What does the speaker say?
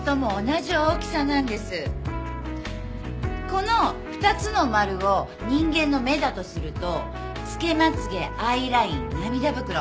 この２つの丸を人間の目だとするとつけまつ毛アイライン涙袋。